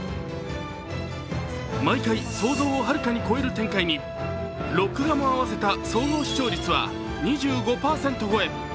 毎回、想像をはるかに超える展開に、録画も合わせた総合視聴率は２５％超え。